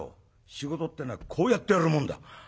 仕事ってえのはこうやってやるもんだ」。